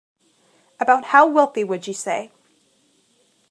About how wealthy would you say?